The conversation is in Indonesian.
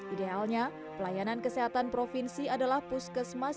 idealnya pelayanan kesehatan provinsi adalah puskesmas